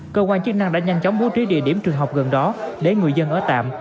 cơ quan chức năng đã nhanh chóng bố trí địa điểm trường học gần đó để người dân ở tạm